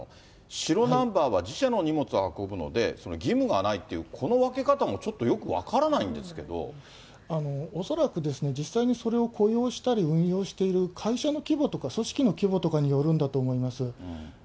白ナンバーは自社の荷物を運ぶので、義務がないっていう、この分け方もちょっとよく分からないんです恐らくですね、実際にそれを雇用したり、運用したりする会社の規模とか、組織の規模とかによるんだと思います。